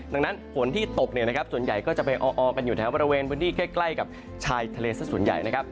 ดังนั้นฝนที่ตกเนี่ยนะครับส่วนใหญ่ก็จะไปออกันอยู่แถวบริเวณพื้นที่ใกล้กับชายทะเลสักส่วนใหญ่นะครับ